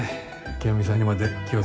清美さんにまで気を使わせて。